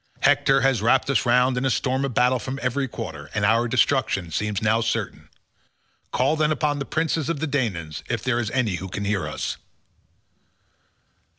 Hector has wrapped us round in a storm of battle from every quarter, and our destruction seems now certain. Call then upon the princes of the Danaans if there is any who can hear us."